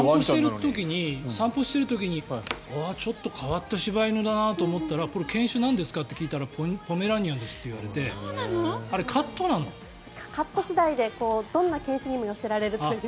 散歩している時にちょっと変わった柴犬だなと思ったらこれ犬種なんですか？って聞いたらポメラニアンですって言われてカット次第でどんな犬種にも寄せられるという。